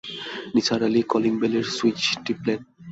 নিসার আলি কলিংবেলের সুইচ টিপলেন।